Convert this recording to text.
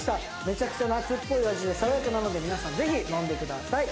めちゃくちゃ夏っぽい味で爽やかなので皆さんぜひ飲んでください。